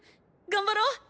頑張ろう！